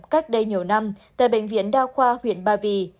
cách đây nhiều năm tại bệnh viện đa khoa huyện ba vì